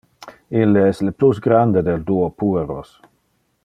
Ille es le plus grande del duo pueros.